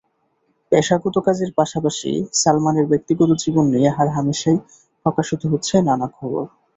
পেশাগত কাজের পাশাপাশি সালমানের ব্যক্তিগত জীবন নিয়ে হরহামেশাই প্রকাশিত হচ্ছে নানা খবর।